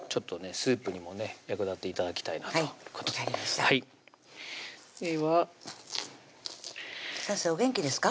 スープにもね役立って頂きたいなということででは先生お元気ですか？